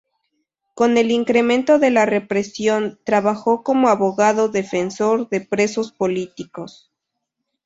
Con el incremento de la represión, trabajó como abogado defensor de presos políticos.